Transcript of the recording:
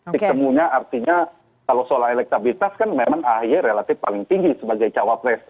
titik mu nya artinya kalau soal elektabilitas kan memang ahaye relatif paling tinggi sebagai cawapres